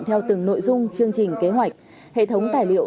theo từng nội dung chương trình kế hoạch hệ thống tài liệu